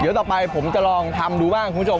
เดี๋ยวต่อไปผมจะลองทำดูบ้างคุณผู้ชม